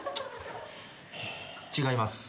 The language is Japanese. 違います。